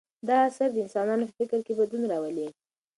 دا اثر د انسانانو په فکر کې بدلون راولي.